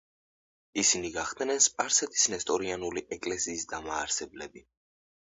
ისინი გახდნენ სპარსეთის ნესტორიანული ეკლესიის დამაარსებლები.